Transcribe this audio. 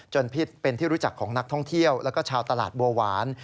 พิษเป็นที่รู้จักของนักท่องเที่ยวแล้วก็ชาวตลาดบัวหวาน